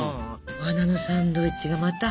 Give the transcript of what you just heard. お花のサンドイッチがまた。